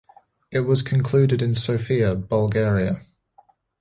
It was concluded in Sofia, Bulgaria.